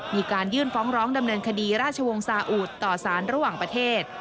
มีการยื่นฟ้องร้องดำเนินคดีราชวงศ์ซาอุดต่อสารระหว่างประเทศ